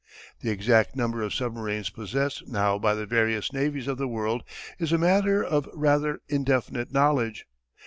The exact number of submarines possessed now by the various navies of the world is a matter of rather indefinite knowledge.